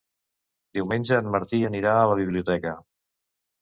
Diumenge en Martí anirà a la biblioteca.